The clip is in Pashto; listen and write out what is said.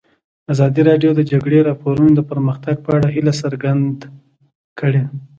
ازادي راډیو د د جګړې راپورونه د پرمختګ په اړه هیله څرګنده کړې.